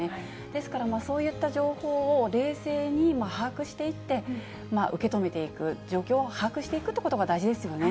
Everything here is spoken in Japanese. ですから、そういった情報を冷静に把握していって、受け止めていく、状況を把握していくということが大事ですよね。